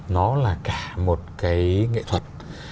nó là cả một nghệ thuật